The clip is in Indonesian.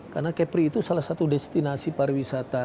karena kepri itu salah satu destinasi pariwisata cukup terkemuka